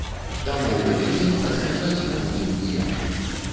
Таму гэты дзень адзначаць не будзем ніяк.